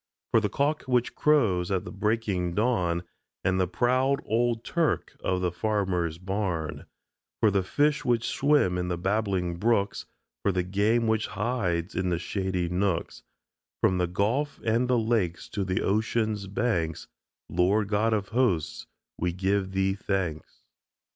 For the cock which crows at the breaking dawn, And the proud old "turk" of the farmer's barn, For the fish which swim in the babbling brooks, For the game which hides in the shady nooks, From the Gulf and the Lakes to the Oceans' banks, Lord God of Hosts, we give Thee thanks!